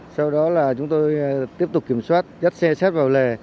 sau đó là chúng tôi tiếp tục kiểm soát dắt xe sát vào lề